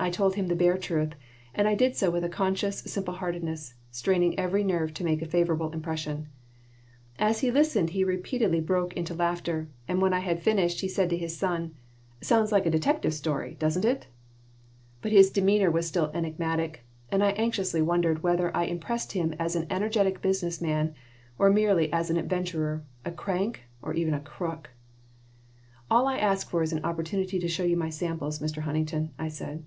I told him the bare truth, and I did so with conscious simple heartedness, straining every nerve to make a favorable impression As he listened he repeatedly broke into laughter, and when I had finished he said to his son: "Sounds like a detective story, doesn't it?" But his demeanor was still enigmatic, and I anxiously wondered whether I impressed him as an energetic business man or merely as an adventurer, a crank, or even a crook "All I ask for is an opportunity to show you my samples, Mr. Huntington," I said.